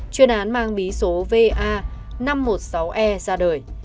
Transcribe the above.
chuyên án mang bí số va năm trăm một mươi sáu e ra đời